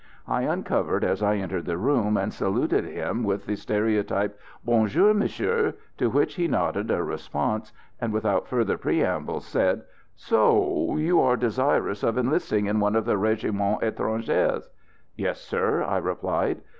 I uncovered as I entered the room, and saluted him with the stereotyped "Bonjour, Monsieur!" to which he nodded a response, and, without further preamble, said: "So you are desirous of enlisting in one of the Régiments Étrangers?" "Yes, sir," I replied.